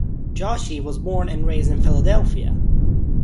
Joshi was born and raised in Philadelphia.